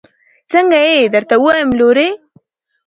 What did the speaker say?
څنګه يې درته ووايم لورې.